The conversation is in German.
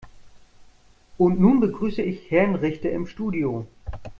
Und nun begrüße ich Herrn Richter im Studio.